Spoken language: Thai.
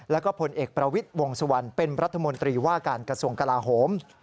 แล้วก็ผลเอกประวิทย์วงสุวรรณเป็นรัฐมนตรีว่าการกระทรวงกลาโหม